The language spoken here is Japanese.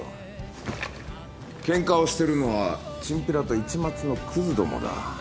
ケンカをしてるのはチンピラと市松のクズどもだ。